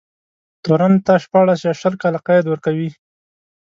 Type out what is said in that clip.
تورن ته شپاړس يا شل کاله قید ورکوي.